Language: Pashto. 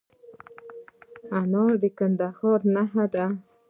انار د کندهار نښه ده.